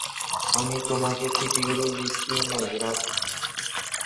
আমি তোমাকে চিঠিগুলো লিখিনাই, রাজ।